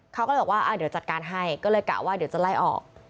เขาก็เลยบอกว่าเดี๋ยวจัดการให้ก็เลยกะว่าเดี๋ยวจะไล่ออก